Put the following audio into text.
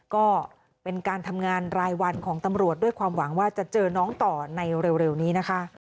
ก็เป็นการทำงานรายวันของตำรวจด้วยความหวังว่าจะเจอน้องต่อในเร็วนี้นะคะ